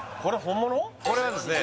これはですね